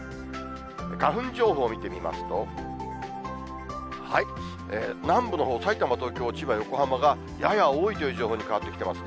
花粉情報見てみますと、南部のほう、さいたま、東京、千葉、横浜がやや多いという情報に変わってきてますね。